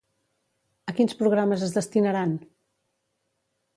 A quins programes es destinaran?